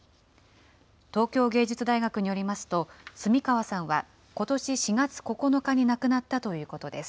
東京藝術大学によりますと、澄川さんはことし４月９日に亡くなったということです。